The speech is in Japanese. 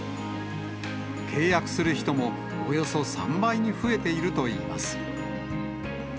契約する人もおよそ３倍に増えているといいます。